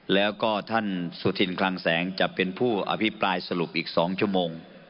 แล้วก็ท่านสุธินคลังแสงจะเป็นผู้อภิปรายสรุปอีก๒ชั่วโมง